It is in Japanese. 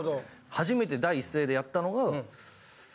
初めて第一声でやったのが。